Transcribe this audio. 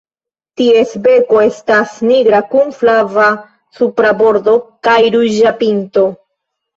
Ties beko estas nigra kun flava supra bordo kaj ruĝa pinto.